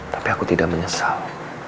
tapi aku tidak menyesal